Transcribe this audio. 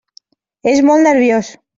És molt nerviós.